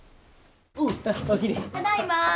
ただいま。